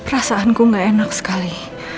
rasaanku gak enak sekali